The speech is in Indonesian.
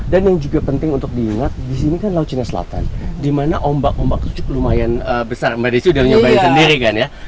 dan yang juga penting untuk diingat disini kan laut cina selatan dimana ombak ombak itu juga lumayan besar mbak desi sudah nyobain sendiri kan ya